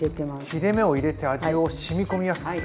切れ目を入れて味をしみ込みやすくするのはいいですね。